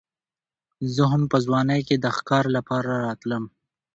زه هم په ځوانۍ کې د ښکار لپاره راتلم.